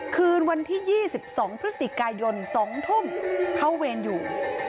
คืนวันที่๒๒พฤศจิกายน๒ทุ่มเข้าเวรอยู่